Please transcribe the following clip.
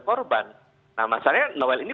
korban nah masalahnya noel ini